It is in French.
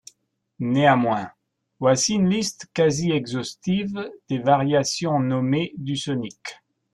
Néanmoins, voici une liste quasi-exhaustive des variations nommées du sonic.